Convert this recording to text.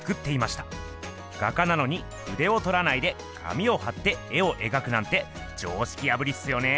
画家なのにふでをとらないで紙をはって絵を描くなんて常識破りっすよね。